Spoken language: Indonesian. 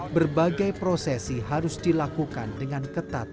berbagai prosesi harus dilakukan dengan ketat